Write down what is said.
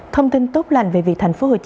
thông tin tốt lành về vị thành phố hồ chí minh